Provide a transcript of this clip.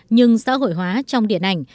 nhưng xã hội hóa trong điện ảnh